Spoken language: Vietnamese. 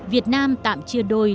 việt nam tạm chia đôi